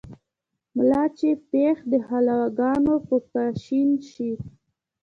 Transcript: ملا چې پېښ دحلواګانو په کاشين شي